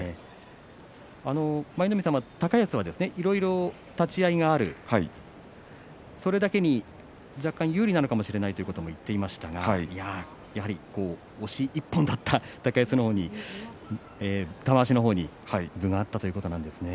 舞の海さん、高安はいろいろな立ち合いがあるそれだけに若干、有利なのかもしれないということを言っていましたがやはり押し１本だった玉鷲の方に分があったということなんですね。